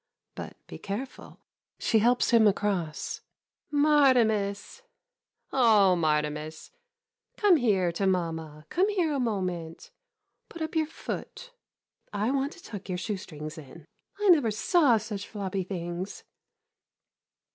But be careful. [She helps him across.] Martimas — oh, Martimas — come here to mamma — come here a moment. Put up your foot — I want to tuck your shoe strings in. I never saw such floppy things.